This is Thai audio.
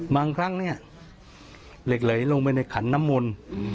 บางครั้งเนี่ยเหล็กไหลลงไปในขันน้ำมนต์